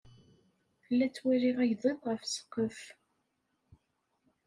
La ttwaliɣ agḍiḍ ɣef ssqef.